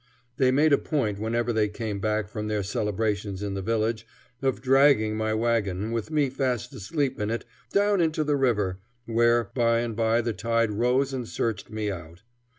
They made a point whenever they came back from their celebrations in the village, of dragging my wagon, with me fast asleep in it, down into the river, where by and by the tide rose and searched me out.